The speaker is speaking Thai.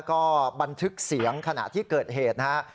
ก็บันทึกเสียงขณะที่เกิดเหตุนะฮะ